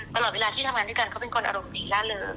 ตลอดเวลาที่ทำงานด้วยกันเขาเป็นคนอารมณ์ดีล่าเริง